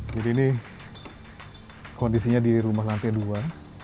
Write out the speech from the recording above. jadi ini kondisinya di rumah lantai dua